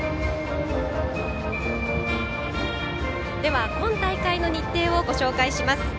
では今大会の日程をご紹介します。